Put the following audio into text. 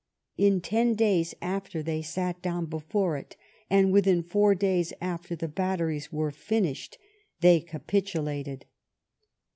In ten days after they sat down before it, and within four days after the batteries were finished, they capitulated."